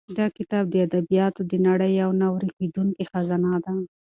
دا کتاب د ادبیاتو د نړۍ یوه نه ورکېدونکې خزانه ده.